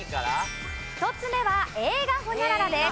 １つ目は映画ホニャララです。